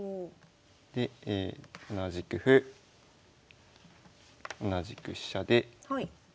で同じく歩同じく飛車で。